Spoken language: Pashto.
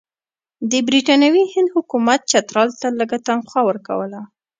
د برټانوي هند حکومت چترال ته لږه تنخوا ورکوله.